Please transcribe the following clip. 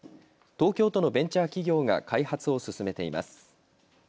東京都のベンチャー企業が開発を進めています。